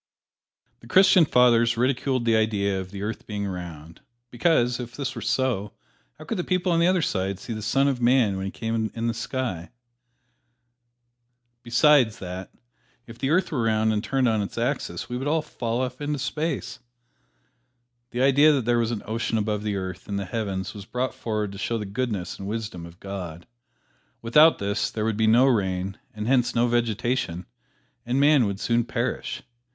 The Christian Fathers ridiculed the idea of the earth being round, because, if this were so, how could the people on the other side see the Son of Man when He came in the sky? Besides that, if the earth were round and turned on its axis, we would all fall off into space. The idea that there was an ocean above the earth, in the heavens, was brought forward to show the goodness and wisdom of God. Without this there would be no rain and hence no vegetation, and man would soon perish.